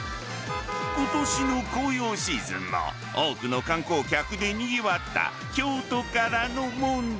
今年の紅葉シーズンも多くの観光客でにぎわった京都からの問題。